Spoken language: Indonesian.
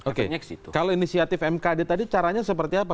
oke kalau inisiatif mkd tadi caranya seperti apa